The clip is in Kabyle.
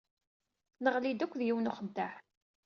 Neɣli-d akked yiwen n uxeddaɛ.